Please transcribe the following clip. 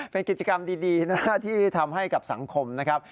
เป็นกิจกรรมดีนะที่ทำให้กับสังคมนะครับ